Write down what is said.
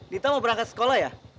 dita mau berangkat sekolah ya